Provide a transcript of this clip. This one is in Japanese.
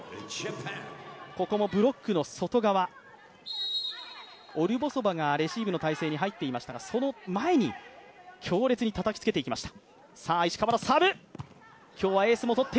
ここもブロックの外側、オルボソバがレシーブの態勢に入っていましたがその前に強烈にたたきつけていきました。